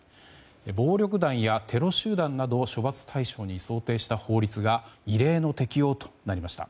暴力団やテロ集団などを処罰対象に想定した法律が異例の適用となりました。